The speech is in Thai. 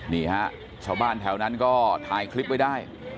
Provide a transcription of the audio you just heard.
นี่ฮะชาวบ้านแถวนั้นก็ถ่ายคลิปไว้ได้